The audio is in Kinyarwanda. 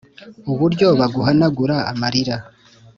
Uburyo baguhanagura amarira